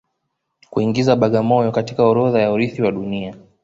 Kuingiza Bagamoyo katika orodha ya urithi wa Dunia